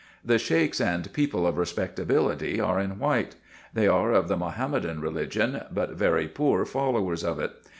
The Sheiks and people of respectability are in white. They are of the Mahomedan religion, but very poor followers of it.